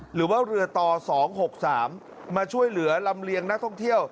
หรือว่าเรือต่อ๒๖๓มาช่วยเหลือลำเลียงนักท่องเที่ยว